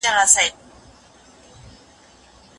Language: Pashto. زه اجازه لرم چي زده کړه وکړم.